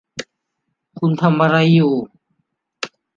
คุณทำอะไรอยู่